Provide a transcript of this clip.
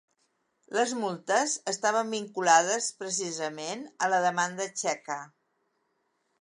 Les multes, estaven vinculades, precisament, a la demanda txeca.